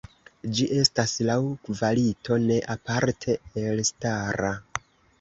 Ĝi estas laŭ kvalito ne aparte elstara.